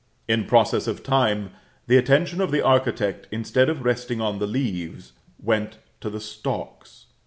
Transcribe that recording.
In process of time, the attention of the architect, instead of resting on the leaves, went to the stalks.